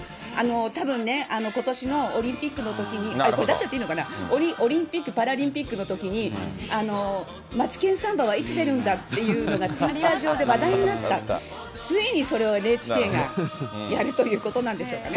たぶんね、ことしのオリンピックのときに、これ、出しちゃっていいのかな、オリンピック・パラリンピックのときに、マツケンサンバはいつ出るんだっていうのが、ツイッター上で話題になった、ついにそれをＮＨＫがやるということなんでしょうかね。